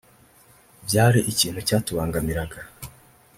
Byari ikintu cyatubangamiraga